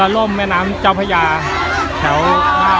ก็ไม่มีเวลาให้กลับมาเท่าไหร่